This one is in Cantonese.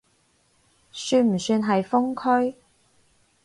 算唔算係封區？